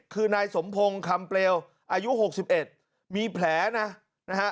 คือนายสมพงศ์คำเปลวอายุ๖๑มีแผลนะนะฮะ